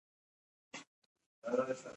په افغانستان کې د تالابونه منابع شته.